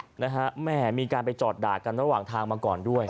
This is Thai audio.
นะฮะแม่มีการไปจอดด่ากันระหว่างทางมาก่อนด้วย